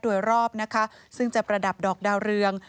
โดยรอบนะคะซึ่งจะประดับดอกดาวเรือง